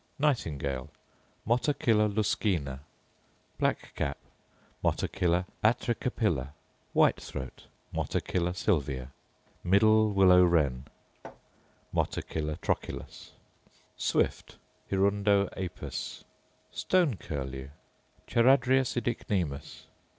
_ Nightingale, Motacilla luscinia. Black cap, Motacilla atricapilla. White throat, Motacilla sylvia. Middle willow wren, Motacilla trochilus. Swift, Hirundo apus. Stone curlew,? _Charadrius oedicnemus?